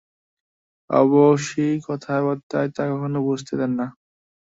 অবশ্যি কথায়-বার্তায় তা কখনো বুঝতে দেন না।